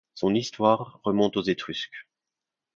Son histoire remonte aux Étrusques.